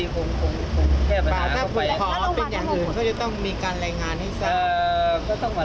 พวกผมก็ต้องทำ